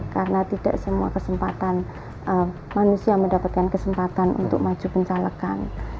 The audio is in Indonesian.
karena tidak semua manusia mendapatkan kesempatan untuk maju pencalekan